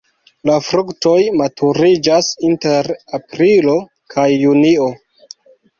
La fruktoj maturiĝas inter aprilo kaj junio.